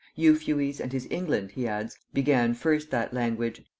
'Euphues and his England,' he adds, 'began first that language.